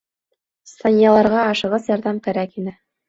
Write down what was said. Санияларға ашығыс ярҙам кәрәк ине.